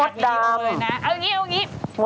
โอ๊ยพี่แค่พี่คำเดียวนี้แหละ